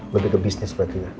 begitu bisnis berarti ya